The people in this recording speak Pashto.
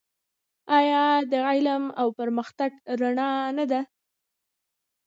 آیا د علم او پرمختګ رڼا نه ده؟